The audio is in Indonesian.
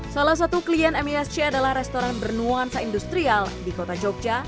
salah satu klien misc adalah restoran bernuansa industrial di kota jogja